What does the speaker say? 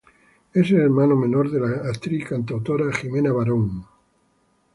Es el hermano menor de la actriz y cantautora Jimena Barón.